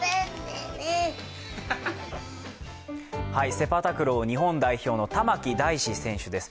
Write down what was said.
セパタクロー日本代表の玉置大嗣選手です。